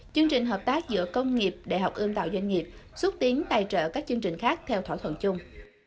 chương trình hợp tác giữa công nghiệp đại học ươm tạo doanh nghiệp xuất tiến tài trợ các chương trình khác theo thỏa thuận chung